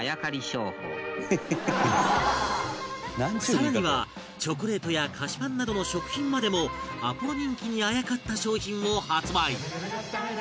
更には、チョコレートや菓子パンなどの食品までもアポロ人気にあやかった商品も発売